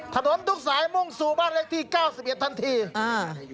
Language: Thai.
ถนนดุกสายมงสูบรรยายที่เก้าสี่เย็นทันทีอ่า